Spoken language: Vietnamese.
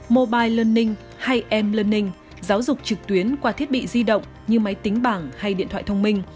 mobile learning hay m lening giáo dục trực tuyến qua thiết bị di động như máy tính bảng hay điện thoại thông minh